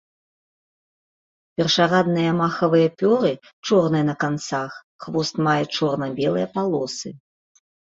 Першарадныя махавыя пёры чорныя на канцах, хвост мае чорна-белыя палосы.